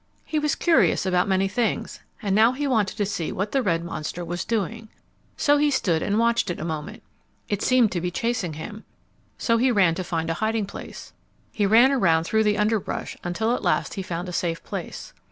He was curious about many things, and now he wanted to see what the red monster was doing. So he stood and watched it a moment. It seemed to be chasing him. So he ran to find a hiding place. He ran around through the underbrush until at last he found a safe place.